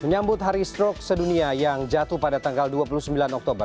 menyambut hari stroke sedunia yang jatuh pada tanggal dua puluh sembilan oktober